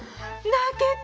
泣けた。